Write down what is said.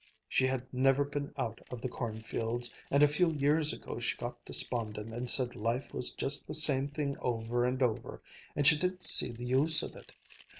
She had never been out of the cornfields, and a few years ago she got despondent and said life was just the same thing over and over, and she didn't see the use of it.